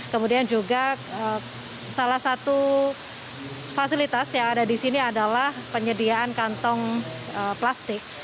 kemudian juga salah satu fasilitas yang ada di sini adalah penyediaan kantong plastik